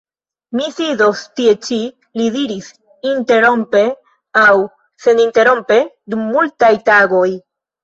"Mi sidos tie ĉi," li diris, "interrompe aŭ seninterrompe dum multaj tagoj."